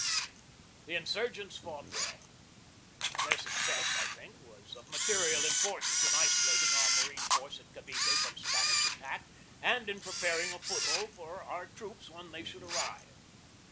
1 The insurgents fought well. Their success, I think, was of material importance in isolating our marine force at Cavite from Spanish attack and in preparing a foothold for our troops when they should arrive.